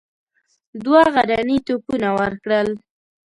دوه غرني توپونه ورکړل.